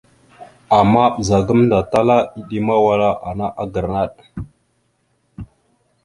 Ama ɓəza gamənda tala eɗemawala ana agra naɗ.